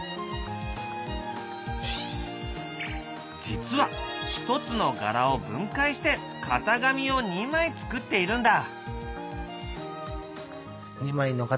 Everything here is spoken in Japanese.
実はひとつの柄を分解して型紙を２枚作っているんだ。